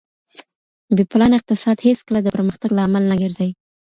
بې پلانه اقتصاد هېڅکله د پرمختګ لامل نه ګرځي.